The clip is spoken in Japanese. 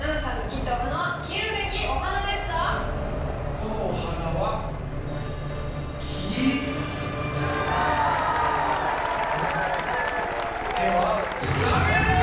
このお花は切。ってはダメです！